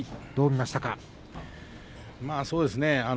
まあそうですね。